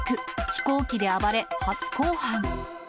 飛行機で暴れ、初公判。